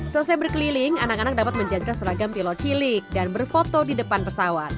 selesai berkeliling anak anak dapat menjaga seragam pilot cilik dan berfoto di depan pesawat